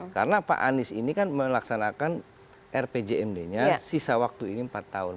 karena pak anies ini kan melaksanakan rpjmd nya sisa waktu ini empat tahun